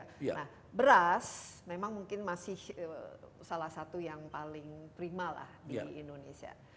nah beras memang mungkin masih salah satu yang paling prima lah di indonesia